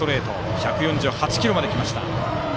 １４８キロまで来ました。